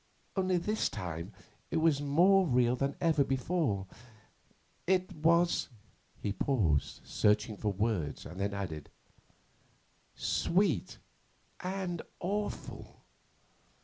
Only, this time, it was more real than ever before. It was' he paused, searching for words, then added 'sweet and awful.